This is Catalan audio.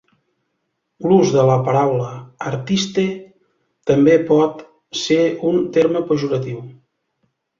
L'ús de la paraula "artiste" també pot ser un terme pejoratiu.